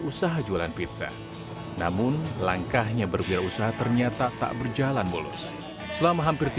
usaha jualan pizza namun langkahnya berwirausaha ternyata tak berjalan mulus selama hampir